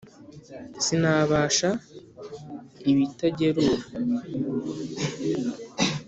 Sinabasha ibitagerura.